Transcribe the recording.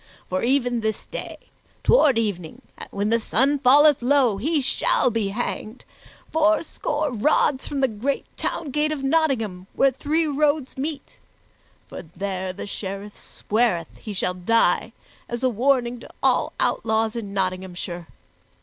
For even this day, toward evening, when the sun falleth low, he shall be hanged, fourscore rods from the great town gate of Nottingham, where three roads meet; for there the Sheriff sweareth he shall die as a warning to all outlaws in Nottinghamshire.